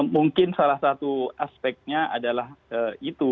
mungkin salah satu aspeknya adalah itu